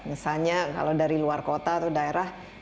misalnya kalau dari luar kota atau daerah